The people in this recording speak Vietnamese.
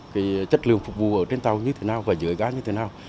cái chất lượng phục vụ ở trên tàu như thế nào và dưới ga như thế nào